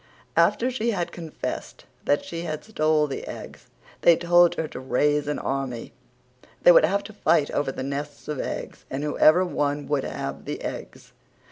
After she had confessed that she had stole the eggs they told her to raise an army. They would have to fight over the nests of eggs and whoever one would have the eggs.